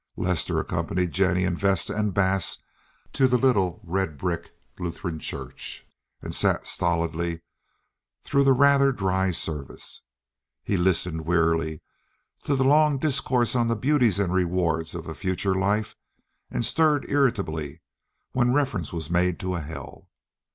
Lester accompanied Jennie and Vesta and Bass to the little red brick Lutheran church, and sat stolidly through the rather dry services. He listened wearily to the long discourse on the beauties and rewards of a future life and stirred irritably when reference was made to a hell.